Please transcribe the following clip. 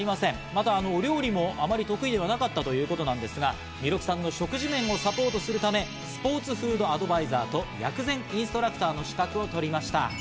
またお料理もあまり得意ではなかったということなんですが、弥勒さんの食事面をサポートするため、スポーツフードアドバイザーと薬膳インストラクターの資格を取りました。